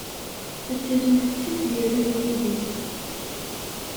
Ad tilimt d tizzyiwin yid-i.